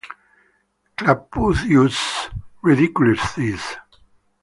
Klapaucius ridicules this.